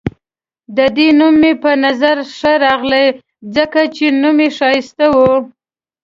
د ده نوم مې په نظر ښه راغلی، ځکه چې نوم يې ښایسته وو.